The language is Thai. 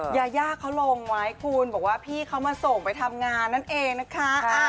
ยาย่าเขาลงไว้คุณบอกว่าพี่เขามาส่งไปทำงานนั่นเองนะคะ